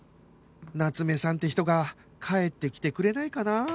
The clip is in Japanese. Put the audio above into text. ナツメさんって人が帰ってきてくれないかな